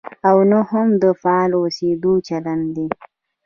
او نه هم د فعال اوسېدو چلند دی.